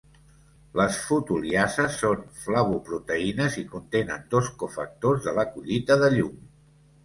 Les fotoliases són flavoproteïnes i contenen dos cofactors de la collita de llum.